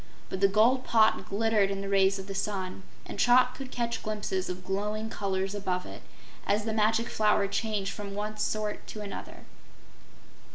But the gold pot glittered in the rays of the sun, and Trot could catch glimpses of glowing colors above it, as the Magic Flower changed from one sort to another.